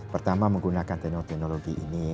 pertama menggunakan teknologi ini